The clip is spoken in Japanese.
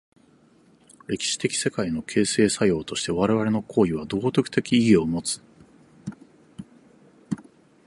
歴史的世界の形成作用として我々の行為は道徳的意義を有つ。